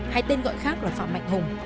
hay tên gọi khác là phạm mạnh hùng